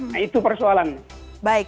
nah itu persoalannya